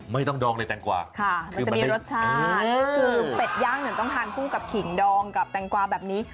ไม่ต้องดองเลยแตงกว่าค่ะมันจะมีรสชาติคือเป็ดย่างเนี่ยต้องทานคู่กับขิงดองกับแตงกวาแบบนี้